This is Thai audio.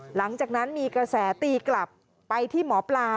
หลังจากนั้นมีกระแสตีกลับไปที่หมอปลา